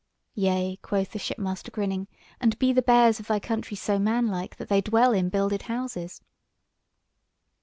"Yea," quoth the shipmaster grinning, "and be the bears of thy country so manlike, that they dwell in builded houses?"